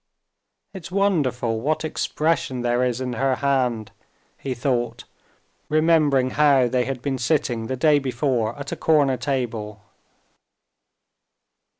"It's wonderful what expression there is in her hand," he thought, remembering how they had been sitting the day before at a corner table.